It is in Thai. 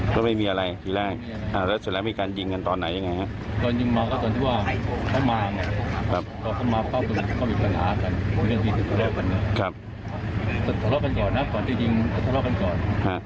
สัดทอดกันก่อนนะครับก่อนที่ยิงสัดทอดกันก่อน